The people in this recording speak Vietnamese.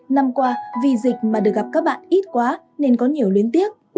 năm qua vì dịch mà được gặp các bạn ít quá nên có nhiều luyến tiếc